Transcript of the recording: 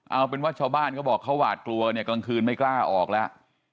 เอาเป็นว่าชาวบ้านเขาบอกเขาหวาดกลัวเนี่ยกลางคืนไม่กล้าออกแล้ว